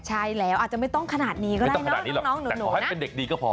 ใช่แล้วอาจจะไม่ต้องขนาดนี้ก็ได้นะแต่หนูให้เป็นเด็กดีก็พอ